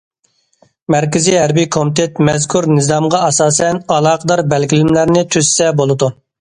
مەركىزىي ھەربىي كومىتېت مەزكۇر نىزامغا ئاساسەن ئالاقىدار بەلگىلىمىلەرنى تۈزسە بولىدۇ.